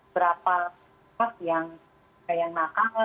berapa yang yang nakal